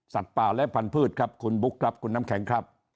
ป่าและพันธุ์ครับคุณบุ๊คครับคุณน้ำแข็งครับ